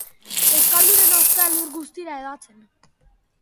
Euskaldunen ospea lur guztira hedatzen